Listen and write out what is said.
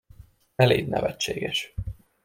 Ne légy nevetséges.